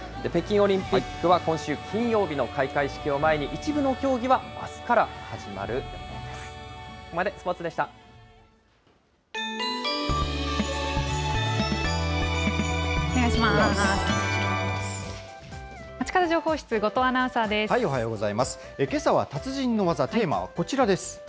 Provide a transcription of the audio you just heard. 北京オリンピックは今週金曜日の開会式を前に、一部の競技はあすから始まる予定です。